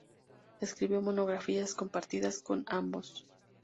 Escribió monografías compartidas con ambos.